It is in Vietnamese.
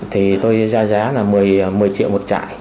thì tôi ra giá là một mươi triệu một chạy